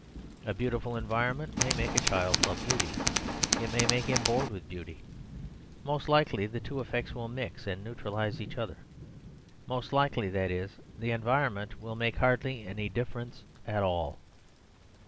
A beautiful environment may make a child love beauty; it may make him bored with beauty; most likely the two effects will mix and neutralise each other. Most likely, that is, the environment will make hardly any difference at all.